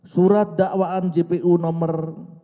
surat dakwaan jpu nomor